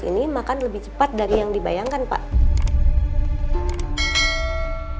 ini makan lebih cepat dari yang terjadi makanya ini adalah hal yang harus diperlukan dari kita